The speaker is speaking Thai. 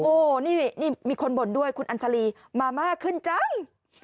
โอ้โหนี่มีคนบ่นด้วยคุณอัญชาลีมามากขึ้นจัง